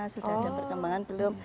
sudah ada perkembangan belum